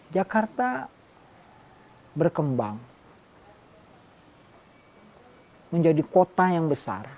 jakarta berkembang menjadi kota yang besar